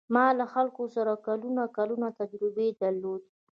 ما له خلکو سره کلونه کلونه تجربې درلودې.